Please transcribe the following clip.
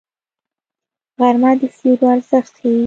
غرمه د سیوري ارزښت ښيي